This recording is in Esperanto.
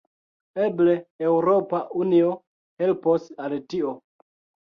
Eble Eŭropa Unio helpos al tio.